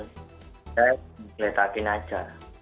saya digeletakin saja